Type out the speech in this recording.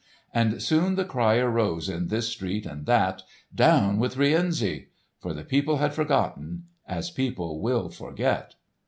And soon the cry arose in this street and that, "Down with Rienzi!" For the people had forgotten—as people will forget.